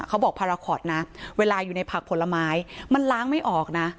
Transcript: พาราคอตนะเวลาอยู่ในผักผลไม้มันล้างไม่ออกนะ